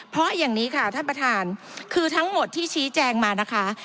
เพราะอย่างนี้ค่ะท่านประธานคือทั้งหมดที่ชี้แจงมานะคะ